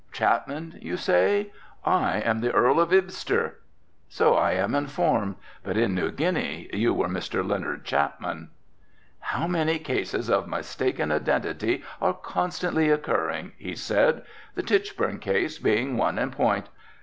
"Chapman you say? I am the Earl of Ibster." "So I am informed, but in New Guinea you were Mr. Leonard Chapman." "How many cases of mistaken identity are constantly occurring," he said, "the Tichborne case being one in point.